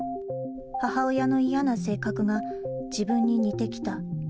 母親の嫌な性格が、自分に似てきた。